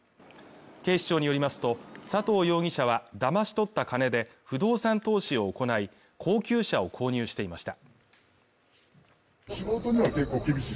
警視庁によりますと佐藤容疑者はだまし取った金で不動産投資を行い高級車を購入していました。